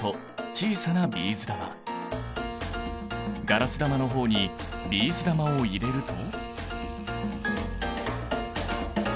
ガラス玉の方にビーズ玉を入れると。